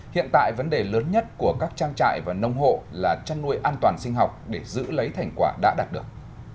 hiện tại vấn đề lớn nhất của các trang trại và nông hộ là chăn nuôi an toàn sinh học để giữ lấy thành quả đã đạt được